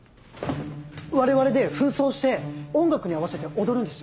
我々で扮装して音楽に合わせて踊るんです。